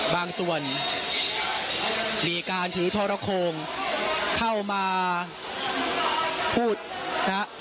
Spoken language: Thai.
บางส่วนบริการถีทรโทรโคมเข้ามาพูดนะครับ